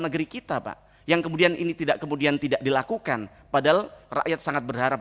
negeri kita pak yang kemudian ini tidak kemudian tidak dilakukan padahal rakyat sangat berharap